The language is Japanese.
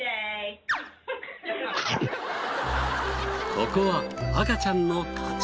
ここは赤ちゃんの勝ち。